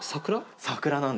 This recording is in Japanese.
桜？